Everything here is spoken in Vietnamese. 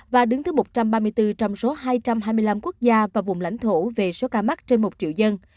và đứng thứ một trăm ba mươi bốn trong số hai trăm hai mươi năm quốc gia và vùng lãnh thổ về số ca mắc trên một triệu dân